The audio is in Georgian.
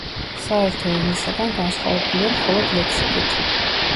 საერთო ენისაგან განსხვავებულია მხოლოდ ლექსიკით.